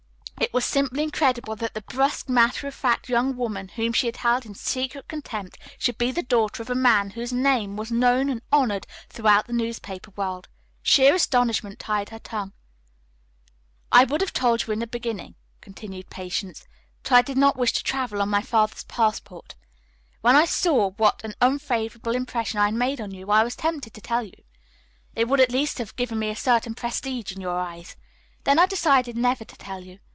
It was simply incredible that this brusque, matter of fact young woman whom she had held in secret contempt should be the daughter of a man whose name was known and honored throughout the newspaper world. Sheer astonishment tied her tongue. "I would have told you in the beginning," continued Patience, "but I did not wish to travel on my father's passport. When I saw what an unfavorable impression I had made on you I was tempted to tell you. It would at least have given me a certain prestige in your eyes. Then I decided never to tell you.